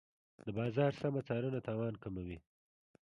د بازار سمه څارنه تاوان کموي.